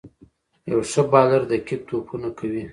یو ښه بالر دقیق توپونه کوي.